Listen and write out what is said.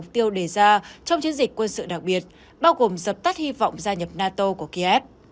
mục tiêu đề ra trong chiến dịch quân sự đặc biệt bao gồm dập tắt hy vọng gia nhập nato của kiev